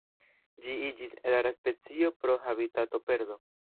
Ĝi iĝis rara specio pro habitatoperdo.